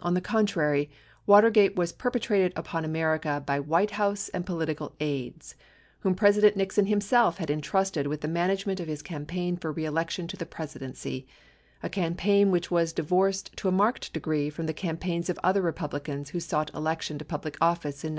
On the contrary, Watergate was per petrated upon America by White House and political aides, whom President Nixon himself had entrusted with the management of his campaign for reelection to the Presidency, a campaign which was di vorced to a marked degree from the campaigns of other Republicans who sought election to public office in 1972.